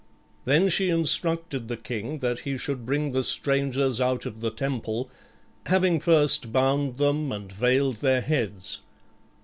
Then she instructed the king that he should bring the strangers out of the temple, having first bound them and veiled their heads.